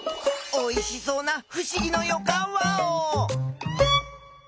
おいしそうなふしぎのよかんワオ！